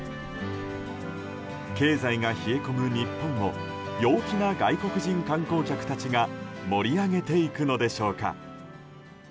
経済が冷え込む日本を陽気な外国人観光客たちが盛り上げていくのでしょうか。